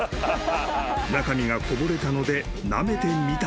［中身がこぼれたのでなめてみた］